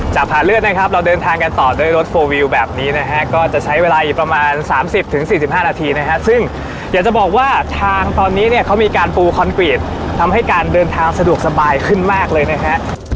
ผ่าเลือดนะครับเราเดินทางกันต่อด้วยรถโฟลวิวแบบนี้นะฮะก็จะใช้เวลาอีกประมาณ๓๐๔๕นาทีนะฮะซึ่งอยากจะบอกว่าทางตอนนี้เนี่ยเขามีการปูคอนกรีตทำให้การเดินทางสะดวกสบายขึ้นมากเลยนะฮะ